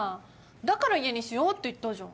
だから家にしようって言ったじゃん。